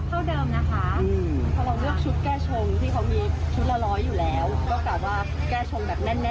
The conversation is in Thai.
พอเราเลือกชุดแก้ชงที่เขามีชุดละร้อยอยู่แล้ว